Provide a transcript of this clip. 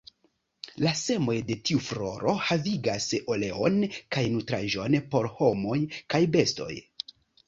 La semoj de tiu floro havigas oleon kaj nutraĵon por homoj kaj bestoj.